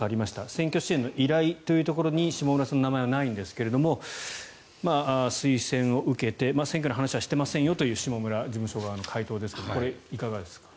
選挙支援の依頼というところに下村さんの名前はないんですが推薦を受けて選挙の話はしていませんよという下村事務所側の回答ですがこれ、いかがですか。